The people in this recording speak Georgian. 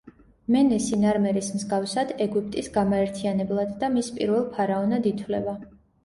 მენესი ნარმერის მსგავსად ეგვიპტის გამაერთიანებლად და მის პირველ ფარაონად ითვლება.